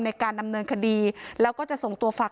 ในการดำเนินคดีแล้วก็จะส่งตัวฝาก